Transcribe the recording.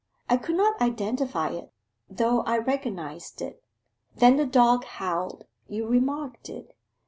I could not identify it though I recognized it. Then the dog howled: you remarked it.